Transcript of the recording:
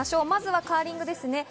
まずはカーリングですね。